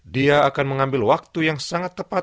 dia akan mengambil waktu yang sangat tepat